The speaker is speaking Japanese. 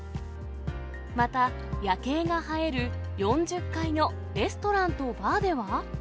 また、夜景が映える４０階のレストランとバーでは。